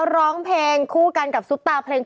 ร้องเพลงคู่กันกับซุปตาเพลง